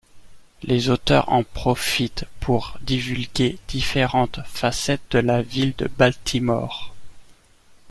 Les auteurs en profitent pour divulguer différentes facettes de la ville de Baltimore.